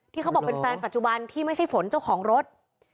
เขาบอกเป็นแฟนปัจจุบันที่ไม่ใช่ฝนเจ้าของรถ